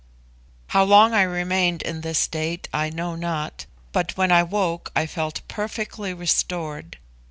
How long I remained in this state I know not, but when I woke I felt perfectly restored.